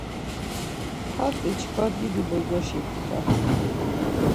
Hatzi çkva didi bozoşi ptkvat.